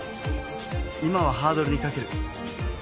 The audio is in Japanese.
今はハードルに懸ける。